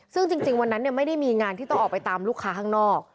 ซึ่งจริงวันนั้นไม่ได้มีงานที่ต้องออกไปตามลูกค้าข้างนอก